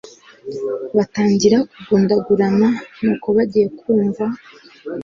batangira kugundagurana nuko bagiye kumva